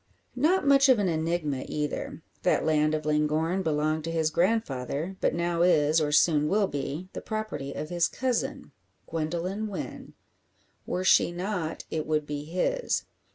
Not much of an enigma either. That land of Llangorren belonged to his grandfather, but now is, or soon will be, the property of his cousin Gwendoline Wynn. Were she not, it would be his.